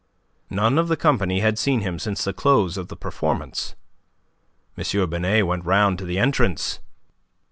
None of the company had seen him since the close of the performance. M. Binet went round to the entrance.